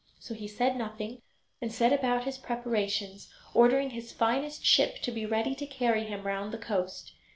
So he said nothing and set about his preparations, ordering his finest ship to be ready to carry him round the coast.